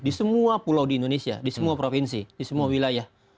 di semua pulau di indonesia di semua provinsi di semua wilayah